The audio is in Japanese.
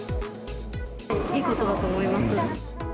いいことだと思います。